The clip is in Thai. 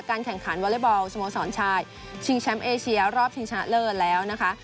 แข่งขันวอเล็กบอลสโมสรชายชิงแชมป์เอเชียรอบชิงชนะเลิศแล้วนะคะ